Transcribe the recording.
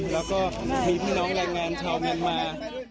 แล้วก็มีพี่น้องแรงงานชาวเมียนมา